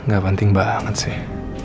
gak penting banget sih